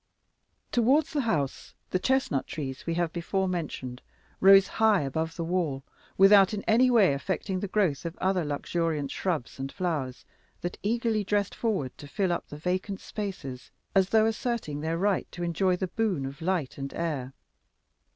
Towards the house the chestnut trees we have before mentioned rose high above the wall, without in any way affecting the growth of other luxuriant shrubs and flowers that eagerly dressed forward to fill up the vacant spaces, as though asserting their right to enjoy the boon of light and air.